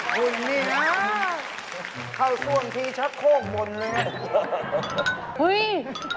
คุณนี่นะเข้าส่วนที่ชะโคกมนนะคะ